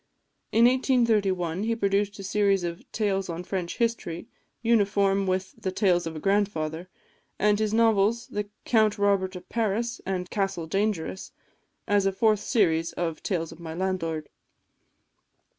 In 1831 he produced a series of "Tales on French History," uniform with the "Tales of a Grandfather," and his novels, "Count Robert of Paris," and "Castle Dangerous," as a fourth series of "Tales of My Landlord."